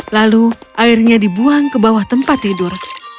lalu airnya dibuang ke bawah tempat tidur